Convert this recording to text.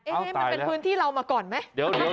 มันเป็นพื้นที่เรามาก่อนไหม